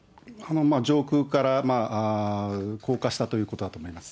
上空から降下したということだと思います。